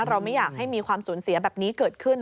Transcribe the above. เราไม่อยากให้มีความสูญเสียแบบนี้เกิดขึ้น